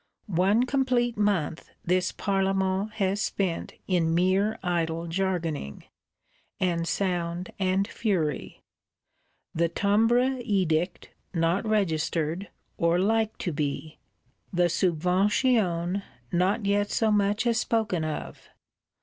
One complete month this Parlement has spent in mere idle jargoning, and sound and fury; the Timbre Edict not registered, or like to be; the Subvention not yet so much as spoken of.